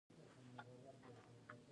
دی هغه د ښه ژوند د تحقق لپاره لازم ګڼي.